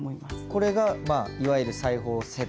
これがまあいわゆる裁縫セットですか？